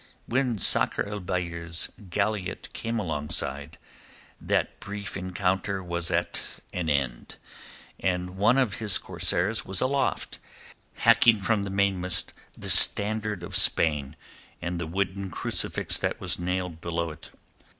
When Sakr el Bahr's galliot came alongside, that brief encounter was at an end, and one of his corsairs was aloft, hacking from the mainmast the standard of Spain and the wooden crucifix that was nailed below it.